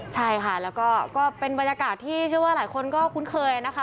ใช่ค่ะแล้วก็เป็นบรรยากาศที่เชื่อว่าหลายคนก็คุ้นเคยนะคะ